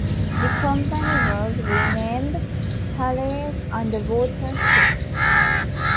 The company was renamed Thales Underwater Systems.